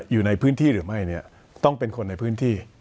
อยู่ในพื้นที่ตรงเป็นคนในพื้นที่